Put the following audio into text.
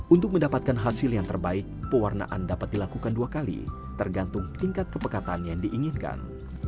untuk mendapatkan hasil yang terbaik pewarnaan dapat dilakukan dua kali tergantung tingkat kepekatan yang diinginkan